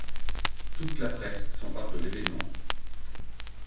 Toute la presse s’empare de l’événement.